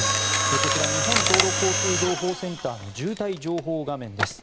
こちら日本道路交通情報センターの渋滞情報画面です。